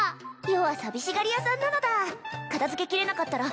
余は寂しがり屋さんなのだ片づけきれなかったら